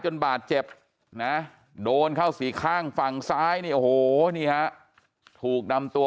บาดเจ็บนะโดนเข้าสี่ข้างฝั่งซ้ายนี่โอ้โหนี่ฮะถูกนำตัว